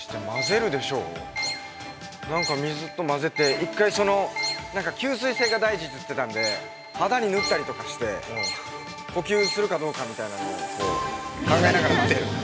なんか水と混ぜて一回、吸水性が大事って言ってたので、肌に塗ったりとかして呼吸するかどうかみたいなのを、こう考えながら。